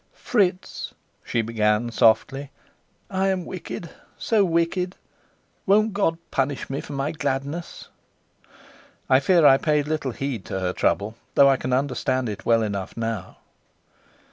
"Fritz," she began softly, "I am wicked so wicked. Won't God punish me for my gladness?" I fear I paid little heed to her trouble, though I can understand it well enough now.